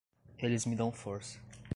Eles me dão força.